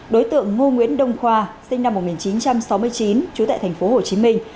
đối tượng ngô nguyễn đông khoa sinh năm một nghìn chín trăm sáu mươi chín trú tại thành phố hồ chí minh